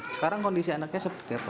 sekarang kondisi anaknya seperti apa